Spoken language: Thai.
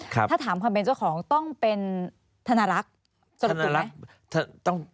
ถ้าถามความเป็นเจ้าของต้องเป็นธนรักษ์สรุปถูกไหม